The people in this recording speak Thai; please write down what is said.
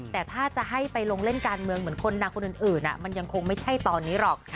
แต่ถ้าจะให้ไปลงเล่นการเมืองเหมือนคนดังคนอื่นมันยังคงไม่ใช่ตอนนี้หรอก